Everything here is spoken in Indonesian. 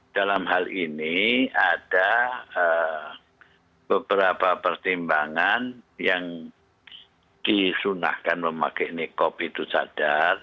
dalam hal ini ada beberapa pertimbangan yang disunahkan memakai nikob itu cadar